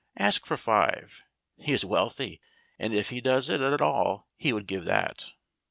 Ask for five. He is wealthy, and if he does it at all he would give that."